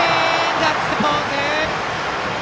ガッツポーズ！